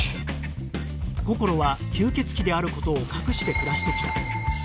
こころは吸血鬼である事を隠して暮らしてきた